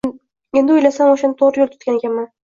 Endi o‘ylasam, o‘shanda to‘g‘ri yo‘l tutgan ekanman